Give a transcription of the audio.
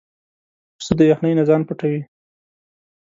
پسه د یخنۍ نه ځان پټوي.